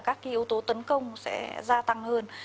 các yếu tố tấn công sẽ gia tăng hơn